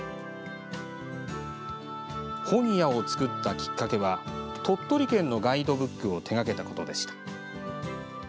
本屋を作ったきっかけは鳥取県のガイドブックを手がけたことでした。